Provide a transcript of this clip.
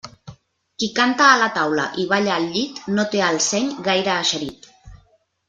Qui canta a la taula i balla al llit no té el seny gaire eixerit.